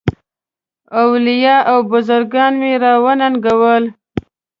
اولیاء او بزرګان مي را وننګول.